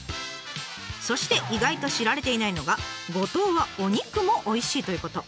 そして意外と知られていないのが五島はお肉もおいしいということ。